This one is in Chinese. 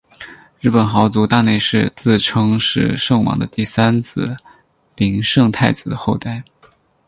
日本豪族大内氏自称是圣王的第三子琳圣太子的后代。